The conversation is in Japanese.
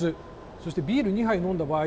そしてビール２杯飲んだ場合